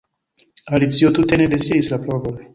Alicio tute ne deziris la provon.